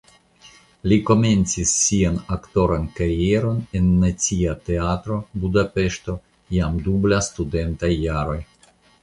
Li komencis sian aktoran karieron en Nacia Teatro (Budapeŝto) jam dum la studentaj jaroj.